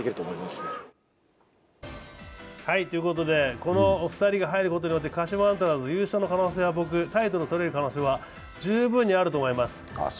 この２人が入ることによって、鹿島アントラーズ、優勝の可能性、タイトルを取れる可能性は十分にあると思います。